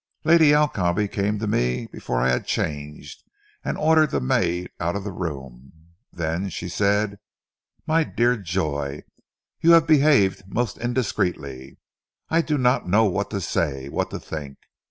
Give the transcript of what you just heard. Lady Alcombe came to me before I had changed, and ordered the maid out of the room, then she said, 'My dear Joy, you have behaved most indiscreetly.... I do not know what to say ... what to think.